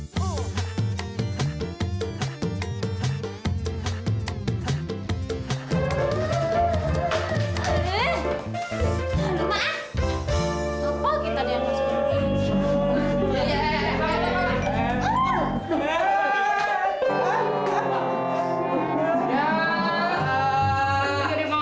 mulai bakal indah